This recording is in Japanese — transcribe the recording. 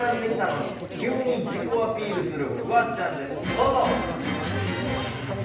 どうぞ！ね